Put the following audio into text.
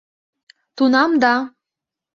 Тунам да!